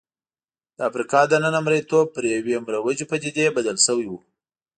د افریقا دننه مریتوب پر یوې مروجې پدیدې بدل شوی و.